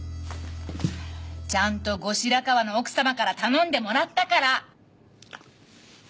ちゃんと後白河の奥様から頼んでもらったから！